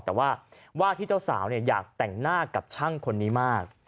แต่ว่าว่าที่เจ้าสาวอยากแต่งหน้ากับช่างคนนี้มาก